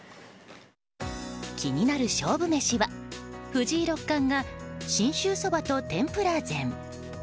気になる勝負メシは藤井六冠が信州そばと天ぷら膳。